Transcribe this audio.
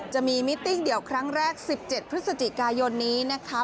จะมีมิติ้งเดี่ยวครั้งแรก๑๗พฤศจิกายนนี้นะคะ